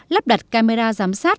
lắp đặt camera giám sát